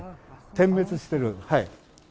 点滅してる。